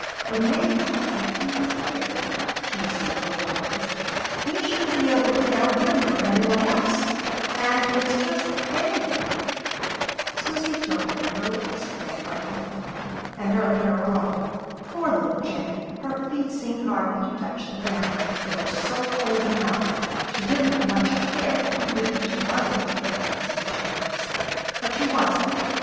"For maybe if He was here," she soliloquized, "we shouldn't be able to tell Him from anyone else. And it's just anybody." [Illustration: "She dropped into a little heap before the fire."] Susy took the little estray by the arm, and hurried her along. Poor little Jennie! her feet seemed hardly to touch the ground, they were so cold and numb. She didn't much care even if she was being taken to the station house. But she wasn't.